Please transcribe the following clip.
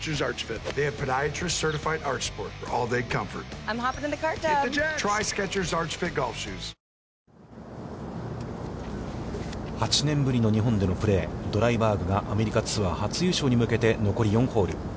果たしてこの緊張感、初優勝に向８年ぶりの日本でのプレー、ドライバーグがアメリカツアー、初優勝に向けて、残り４ホール。